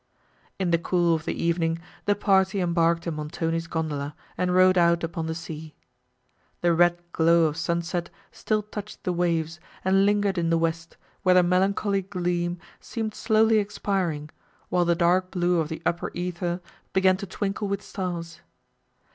In the cool of the evening the party embarked in Montoni's gondola, and rowed out upon the sea. The red glow of sunset still touched the waves, and lingered in the west, where the melancholy gleam seemed slowly expiring, while the dark blue of the upper æther began to twinkle with stars.